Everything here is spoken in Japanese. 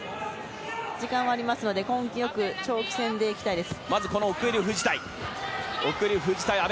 時間はありますので、根気よく長期戦でいきたいです。